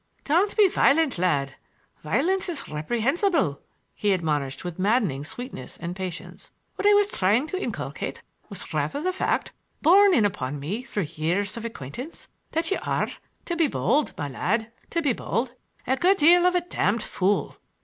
"Don't be violent, lad. Violence is reprehensible," he admonished with maddening sweetness and patience. "What I was trying to inculcate was rather the fact, borne in upon me through years of acquaintance, that you are,—to he bold, my lad, to be bold,—a good deal of a damned fool."